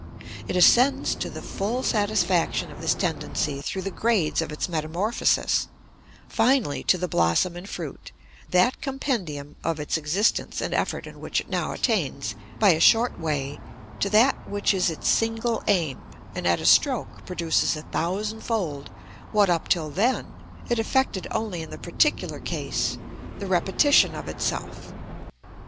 It ascends to the full satisfaction of this tendency through the grades of its metamorphosis, finally to the blossom and fruit, that compendium of its existence and effort in which it now attains, by a short way, to that which is its single aim, and at a stroke produces a thousand fold what, up till then, it effected only in the particular case—the repetition of itself.